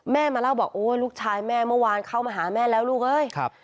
มาเล่าบอกโอ้ยลูกชายแม่เมื่อวานเข้ามาหาแม่แล้วลูกเอ้ยครับ